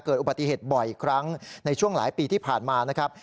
เกิดอุบัติเหตุบ่อยครั้งในช่วงหลายปีที่ผ่านมานะครับ